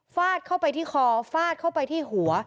ฟาดเข้าไปที่คอฟาดเข้าไปที่หัว